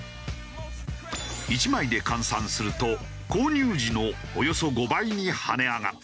１枚で換算すると購入時のおよそ５倍に跳ね上がった。